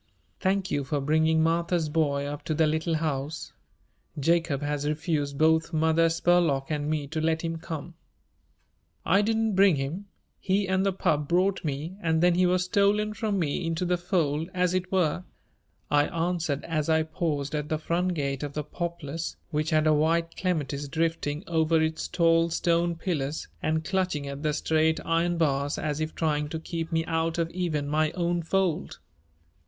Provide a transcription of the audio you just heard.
"Thank you for bringing Martha's boy up to the Little House. Jacob has refused both Mother Spurlock and me to let him come." "I didn't bring him. He and the pup brought me and then he was stolen from me into the fold, as it were," I answered as I paused at the front gate of the Poplars, which had a white clematis drifting over its tall stone pillars and clutching at the straight iron bars as if trying to keep me out of even my own fold.